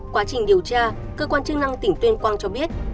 quá trình điều tra cơ quan chức năng tỉnh tuyên quang cho biết